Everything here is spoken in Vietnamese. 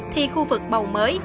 thì khu vực bầu mới